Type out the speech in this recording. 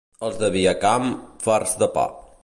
Els de Viacamp, farts de pa.